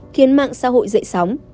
khiến mạng xã hội dậy sóng